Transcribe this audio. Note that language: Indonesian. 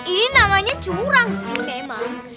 ini namanya curang sih memang